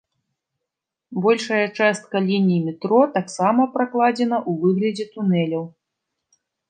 Большая частка ліній метро таксама пракладзена ў выглядзе тунэляў.